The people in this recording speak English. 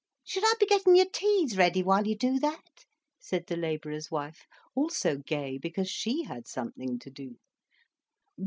"Should I be getting your teas ready, while you do that?" said the labourer's wife, also gay because she had something to do.